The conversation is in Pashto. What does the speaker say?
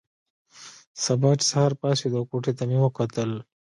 سبا چې سهار پاڅېدو او کوټې ته مې وکتل.